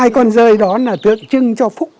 hai con rơi đó là tượng trưng cho phúc